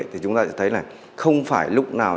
thì chúng ta sẽ thấy là không phải lúc nào